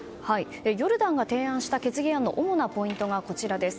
ヨルダンが提案した決議案の主なポイントがこちら。